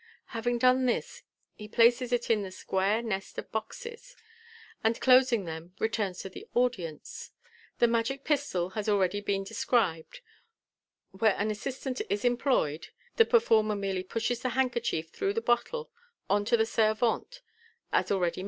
Having done this, he places it in the square nest of boxes (see page 197)* and closing them returns to the audience. The magic pistol has already been described (page ai6). Where an assistant is employed, the performer merely pushes the handkerchief through the bottle on to the servante, as already MODERN MAGIC.